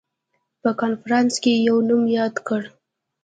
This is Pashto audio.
په هر کنفرانس کې یې نوم یاد کړ.